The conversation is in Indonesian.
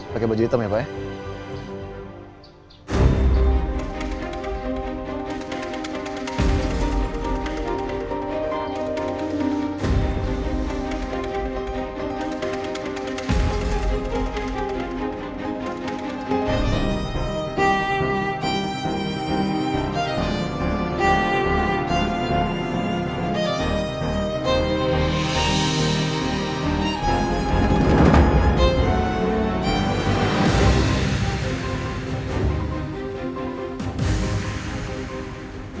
pakai baju hitam ya pak ya